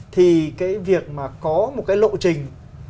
thì cái việc mà có một cái lộ trình